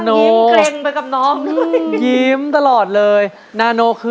พี่ไอค์ครับเป็นยังไงบ้าง